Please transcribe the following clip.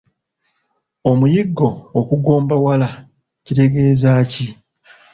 Omuyiggo okugombawala kitegeeza ki?